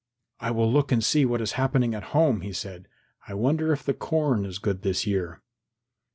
"I will look and see what is happening at home," he said. "I wonder if the corn is good this year?"